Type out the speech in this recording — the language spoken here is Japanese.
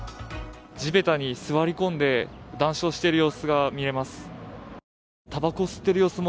地べたに座り込んで談笑している様子が見えます。